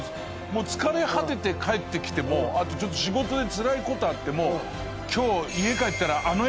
もう、疲れ果てて帰ってきてもあと、ちょっと仕事で、つらい事あっても今日、家帰ったらあの山、越えてみようみたいな。